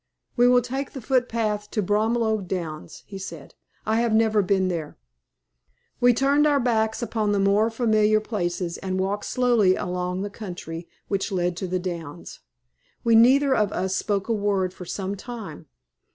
"We will take the footpath to Bromilow Downs," he said. "I have never been there." We turned our backs upon the more familiar places, and walked slowly along the country which led to the Downs. We neither of us spoke a word for some time.